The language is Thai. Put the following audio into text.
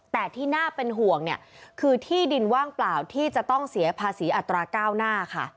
แต่ที่น่าเป็นห่วงเนี่ยคือที่ดินว่างเปล่าที่จะต้องเสียภาษีอัตราก้าวหน้าค่ะ